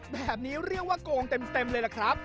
แบบนี้เรียกว่าโกงเต็มเลยล่ะครับ